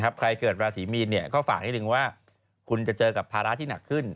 ใครเกิดราศีมีนก็ฝากนิดนึงว่าคุณจะเจอกับภาระที่หนักขึ้น